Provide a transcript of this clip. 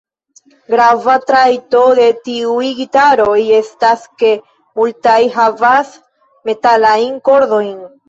Grava trajto de tiuj gitaroj estas ke multaj havas metalajn kordojn.